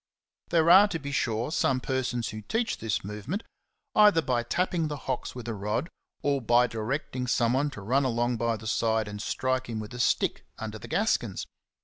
There are, to be sure, some persons who teach this movement either by tapping the hocks with a rod, or by directing somebody to run along by the side and strike him with a stick under the gaskins.